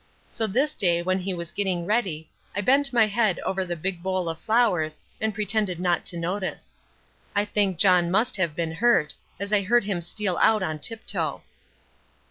So this day when he was getting ready I bent my head over a big bowl of flowers and pretended not to notice. I think John must have been hurt, as I heard him steal out on tiptoe.